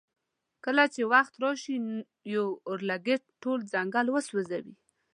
کله چې وخت راشي یو اورلګیت ټول ځنګل سوځوي.